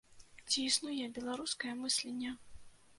Ці існуе беларускае мысленне?